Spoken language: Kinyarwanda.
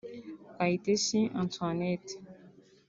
Kayitesi Antoinette